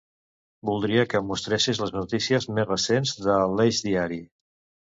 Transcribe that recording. Voldria que em mostressis les notícies més recents de l'"Eix Diari".